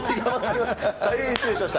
大変失礼しました。